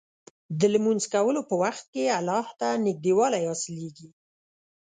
د لمونځ کولو په وخت کې الله ته نږدېوالی حاصلېږي.